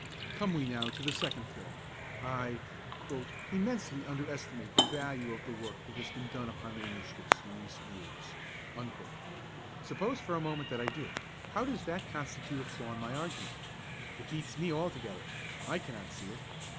Come we now to the second flaw: I 'immensely under estimate the value of the work that has been done upon MSS. in recent years'. Suppose for a moment that I do, how does that constitute a flaw in my argument? It beats me altogether: I cannot see it.